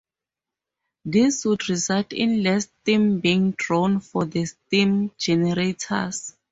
This would result in less steam being drawn from the steam generators.